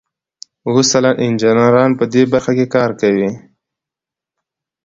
اوه سلنه انجینران په دې برخه کې کار کوي.